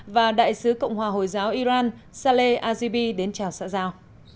và đại sứ cộng hòa hồi giáo iran sale azibi đến chào xã giao